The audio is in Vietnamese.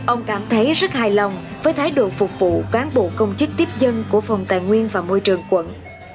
ông cảm thấy rất hài lòng với thái độ phục vụ cán bộ công chức tiếp dân của phòng tài nguyên và môi trường quận